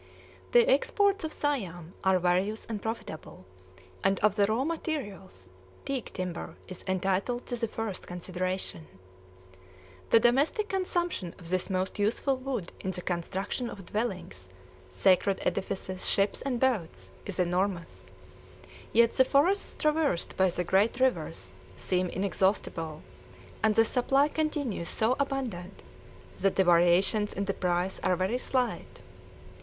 The exports of Siam are various and profitable; and of the raw materials, teak timber is entitled to the first consideration. The domestic consumption of this most useful wood in the construction of dwellings, sacred edifices, ships, and boats, is enormous; yet the forests traversed by the great rivers seem inexhaustible, and the supply continues so abundant that the variations in the price are very slight.